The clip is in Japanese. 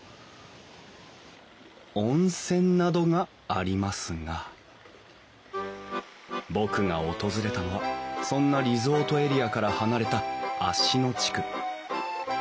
温泉などがありますが僕が訪れたのはそんなリゾートエリアから離れた芦野地区。